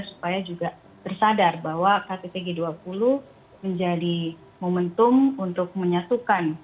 supaya juga bersadar bahwa ktpg dua puluh menjadi momentum untuk menyatukan